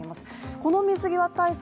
この水際対策